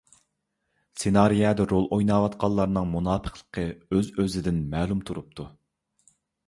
سېنارىيەدە رول ئويناۋاتقانلارنىڭ مۇناپىقلىقى ئۆز ئۆزىدىن مەلۇم تۇرۇپتۇ.